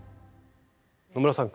野村さん